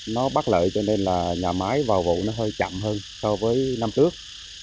nó bắt lợi cho nên là nhà máy vào vụ nó hơi chậm hơn so với năm trước